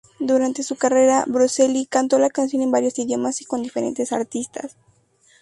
Durante su carrera, Bocelli cantó la canción en varios idiomas y con diferentes artistas.